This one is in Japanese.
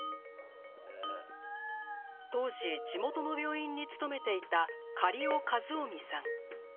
当時、地元の病院に勤めていた苅尾七臣さん。